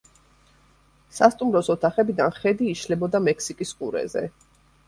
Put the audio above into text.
სასტუმროს ოთახებიდან ხედი იშლებოდა მექსიკის ყურეზე.